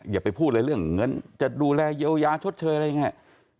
อย่าไปพูดเลยเรื่องเงินจะดูแลเยียวยาชดเชยอะไรอย่างนี้